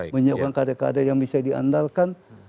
menyiapkan keadaan keadaan yang bisa diandalkan